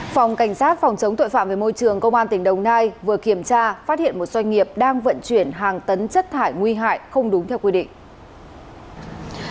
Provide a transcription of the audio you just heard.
phòng cảnh sát phòng chống tội phạm về môi trường công an tỉnh đồng nai vừa kiểm tra phát hiện một doanh nghiệp đang vận chuyển hàng tấn chất thải nguy hại không đúng theo quy định